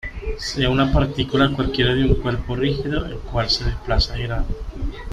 Sea una partícula cualquiera de un cuerpo rígido el cual se desplaza girando.